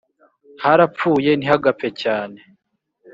harapfuye ntihagapfe cyane